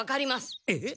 えっ？